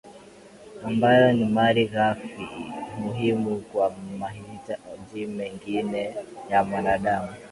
ambayo ni mali ghafi muhimu kwa mahitaji mengine ya mwanadamu